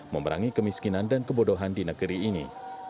memerangi kemiskinan dan kebodohan di negeri ini